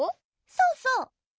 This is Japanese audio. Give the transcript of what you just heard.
そうそう！